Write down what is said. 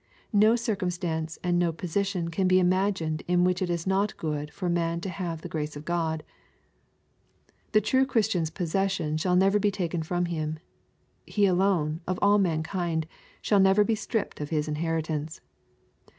No circum stance and no position can be imagined in which it is not good for man to have the grace of God. The true Christian's possession shall never be taken from him. He alone, of all mankind, shall never be stripped of his inheritance.